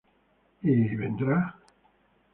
Y, ¿vendrá?